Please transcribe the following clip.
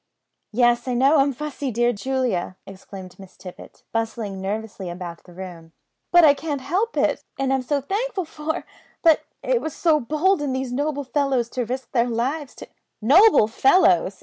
"Yes, I know I'm fussy, dear Julia!" exclaimed Miss Tippet, bustling nervously about the room; "but I can't help it, and I'm so thankful for ; but it was so bold in these noble fellows to risk their lives to " "Noble fellows!"